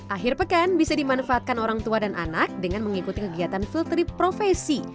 akhir pekan bisa dimanfaatkan orang tua dan anak dengan mengikuti kegiatan fill trip profesi